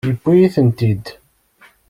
Yewwi-iyi-tent-id.